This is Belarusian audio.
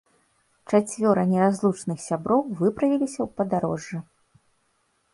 Чацвёра неразлучных сяброў выправіліся ў падарожжа.